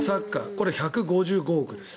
これ、１５５億です。